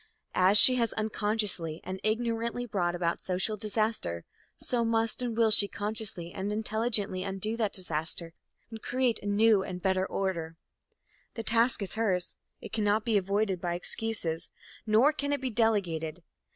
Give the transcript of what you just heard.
As she has unconsciously and ignorantly brought about social disaster, so must and will she consciously and intelligently undo that disaster and create a new and a better order. The task is hers. It cannot be avoided by excuses, nor can it be delegated.